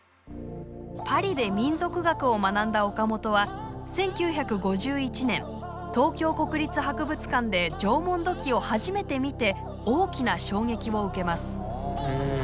パリで民族学を学んだ岡本は１９５１年東京国立博物館で縄文土器を初めて見て大きな衝撃を受けます。